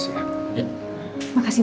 iya enggak peduli